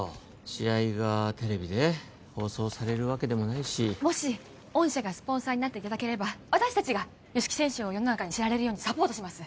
試合がテレビで放送されるわけでもないしもし御社がスポンサーになっていただければ私達が吉木選手を世の中に知られるようにサポートします